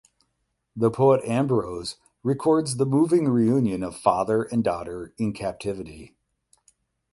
The poet Ambroise records the moving reunion of father and daughter in captivity.